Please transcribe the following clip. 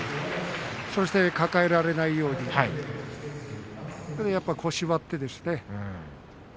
そして抱えられないように腰を割って。